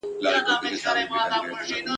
نن د هغو فرشتو سپین هغه واورین لاسونه !.